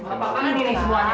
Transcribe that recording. apa kabar ini semuanya